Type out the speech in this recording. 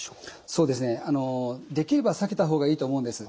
そうですねあのできれば避けた方がいいと思うんです。